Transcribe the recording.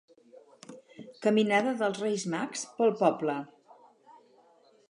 Caminada dels Reis Mags pel poble.